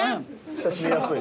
親しみやすい。